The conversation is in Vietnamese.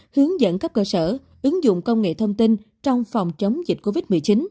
hướng dẫn cấp cơ sở ứng dụng công nghệ thông tin trong phòng chống dịch covid một mươi chín